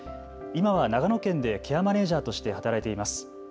今は長野県でケアマネージャーとして働いています。